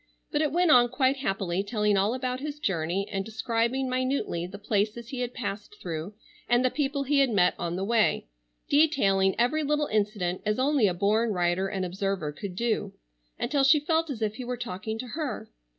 But it went on quite happily telling all about his journey and describing minutely the places he had passed through and the people he had met on the way; detailing every little incident as only a born writer and observer could do, until she felt as if he were talking to her.